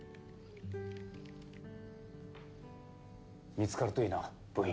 見つかるといいな部員。